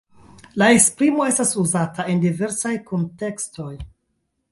La esprimo estas uzata en diversaj kuntekstoj.